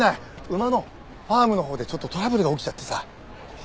馬のファームのほうでちょっとトラブルが起きちゃってさ。